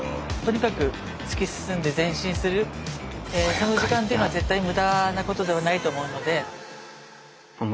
その時間っていうのは絶対無駄なことではないと思うので。